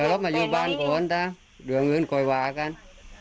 เออเรามาอยู่บ้านก่อนนะเดี๋ยวเงินก่อนมากัน